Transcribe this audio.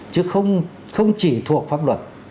chứ không chỉ thuộc pháp luật